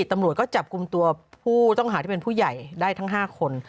ตำรวจก็จับกลุ่มตัวผู้ต้องหาที่เป็นผู้ใหญ่ได้ทั้ง๕คน